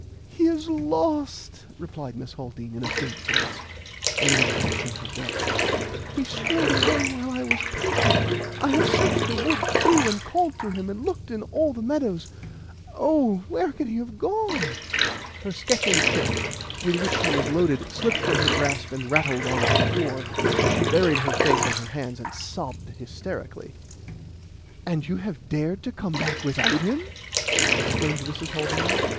"He is lost!" replied Miss Haldean in a faint voice, and with a catch in her breath. "He strayed away while I was painting. I have searched the wood through, and called to him, and looked in all the meadows. Oh! where can he have gone?" Her sketching "kit," with which she was loaded, slipped from her grasp and rattled on to the floor, and she buried her face in her hands and sobbed hysterically. "And you have dared to come back without him?" exclaimed Mrs. Haldean.